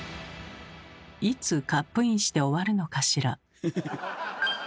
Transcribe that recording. いつカップインして終わるのかしら？